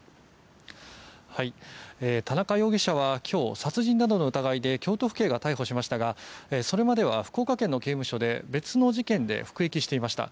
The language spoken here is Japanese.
田中容疑者は今日殺人などの疑いで京都府警が逮捕しましたがそれまでは福岡県の刑務所で別の事件で服役していました。